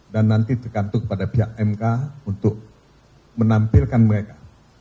dan nanti tergantung kepada pihak mk untuk menampilkan mereka